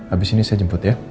abis ini saya jemput ya